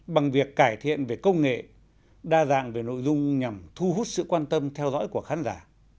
bằng việc cải thiện về công nghệ đa dạng về nội dung nhằm thu hút sự quan tâm theo dõi của khán giả